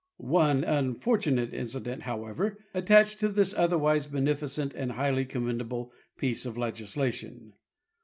One unfortunate incident, however, attached to this otherwise beneficent and highly commendable piece of legislation.